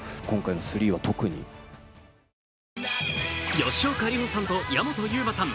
吉岡里帆さんと矢本悠馬さん